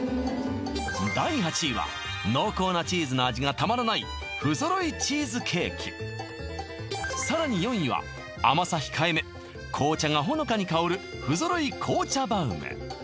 第８位は濃厚なチーズの味がたまらない不揃いチーズケーキさらに４位は甘さ控えめ紅茶がほのかに香る不揃い紅茶バウム